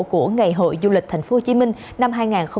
của ngày hội du lịch thành phố hồ chí minh năm hai nghìn hai mươi hai